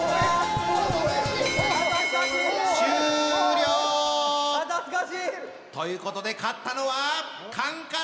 終了！ということで勝ったのはカンカラ！